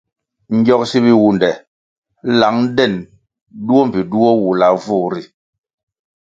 Ngyogsi biwunde lang den duo mbpi duo wulavu ri.